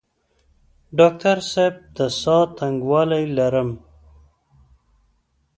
ډاکټر صاحب د ساه تنګوالی لرم؟